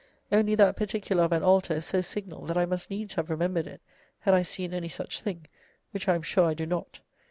Only that particular of an altar is so signal that I must needs have remembered it had I seen any such thing, which I am sure I do not.